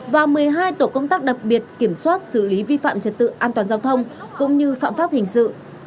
và một mươi hai tổ công tác đặc biệt kiểm soát xử lý vi phạm trật tự an toàn giao thông cũng như phạm pháp hình sự